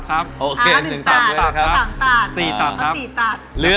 สถานการณ์ตัด